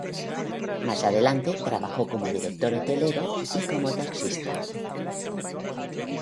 Más adelante trabajó como director hotelero y como taxista.